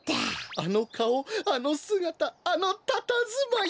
あのかおあのすがたあのたたずまい。